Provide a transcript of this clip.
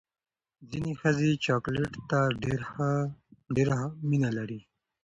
ځینې ښځې چاکلیټ ته ډېره مینه لري.